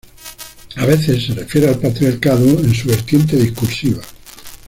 A veces se refiere al patriarcado en su vertiente discursiva.